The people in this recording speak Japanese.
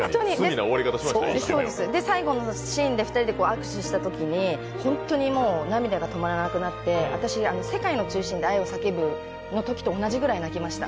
最後のシーンで２人で握手したときに本当に涙が止まらなくなって私、「世界の中心で、愛をさけぶ」と同じぐらいなきました。